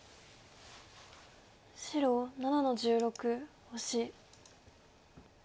白７の十六オシ。